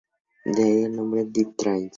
De ahí el nombre deep trance.